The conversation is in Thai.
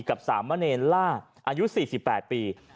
กับสามารเนรล่าอายุสี่สิบแปดปี